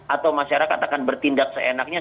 atau masyarakat akan bertindak seenaknya